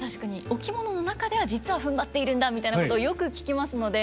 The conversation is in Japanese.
「お着物の中では実はふんばっているんだ」みたいなことをよく聞きますので。